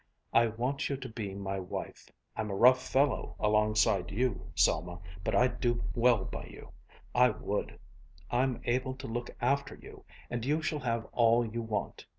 I want you to be my wife. I'm a rough fellow along side of you, Selma, but I'd do well by you; I would. I'm able to look after you, and you shall have all you want.